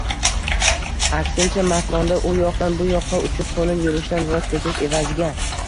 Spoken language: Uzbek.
Aksincha, makonda u yoqdan bu yoqqa uchib-qo‘nib yurishdan voz kechish evaziga